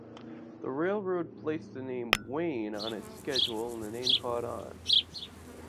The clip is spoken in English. The railroad placed the name "Wayne" on its schedule and the name caught on.